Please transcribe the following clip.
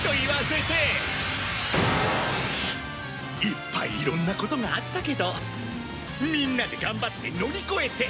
いっぱいいろんなことがあったけどみんなで頑張って乗り越えて。